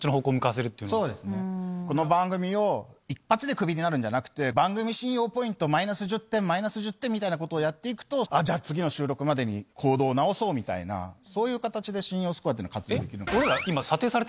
この番組を一発でクビになるんじゃなくて番組信用ポイントマイナス１０点マイナス１０点みたいなことをやって行くと「じゃあ次の収録までに行動を直そう」みたいなそういう形で信用スコアっていうのは活用できる。